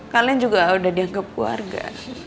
kalian juga udah dianggap keluarga